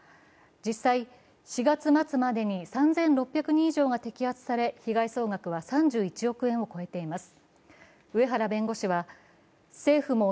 実際、４月末までに３６００人以上が摘発され被害総額は３１億円を超えています。